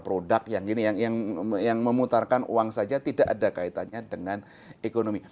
produk yang ini yang memutarkan uang saja tidak ada kaitannya dengan ekonomi